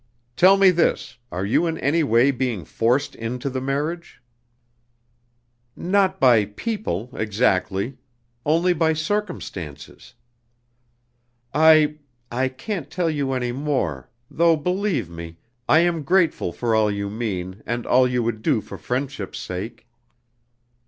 "Tell me this: Are you in any way being forced into the marriage?" "Not by people exactly. Only by circumstances. I I can't tell you any more, though, believe me, I am grateful for all you mean, and all you would do for friendship's sake."